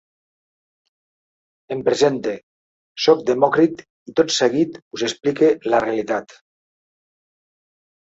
Em presente, soc Demòcrit i tot seguit us explique la realitat.